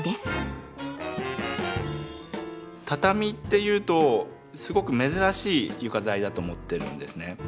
畳っていうとすごく珍しい床材だと思ってるんですね。